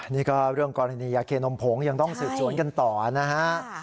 นี่ก็เรื่องกรณียาเคนมผงยังต้องสืบสวนกันต่อนะฮะ